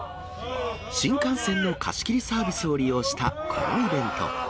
新幹線の貸し切りサービスを利用したこのイベント。